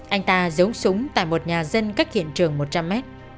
anh ta giấu súng tại một nhà dân cách hiện trường một trăm linh mét